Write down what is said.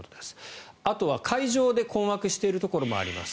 あとは会場で困惑しているところもあります。